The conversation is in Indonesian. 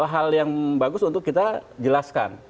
hal yang bagus untuk kita jelaskan